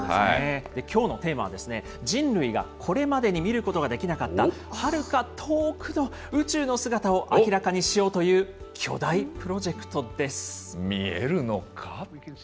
きょうのテーマは、人類がこれまでに見ることができなかったはるか遠くの宇宙の姿を明らかにしようという、巨大プロジェクト見えるのか？